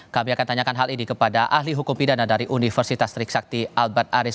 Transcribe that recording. kami akan tanyakan hal ini kepada ahli hukum pidana dari universitas trisakti albat aris